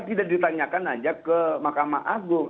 tidak ditanyakan saja ke mahkamah agung